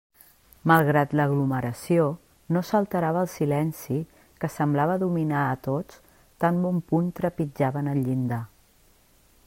Malgrat l'aglomeració, no s'alterava el silenci que semblava dominar a tots tan bon punt trepitjaven el llindar.